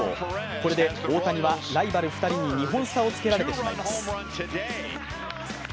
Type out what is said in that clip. これで大谷はライバル２人に２本差をつけられてしまいます。